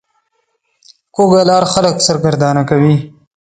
کوږه لار خلک سرګردانه کوي